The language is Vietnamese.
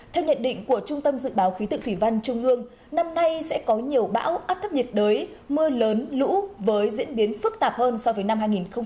theo nhận định của trung tâm dự báo khí tượng thủy văn trung ương năm nay sẽ có nhiều bão áp thấp nhiệt đới mưa lớn lũ với diễn biến phức tạp hơn so với năm hai nghìn một mươi tám